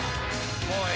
もうええ